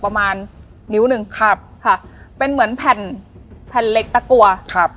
ประมาณนิ้วหนึ่งครับค่ะเป็นเหมือนแผ่นแผ่นเล็กตะกัวครับ